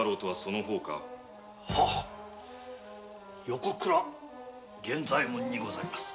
横倉源左衛門にございます。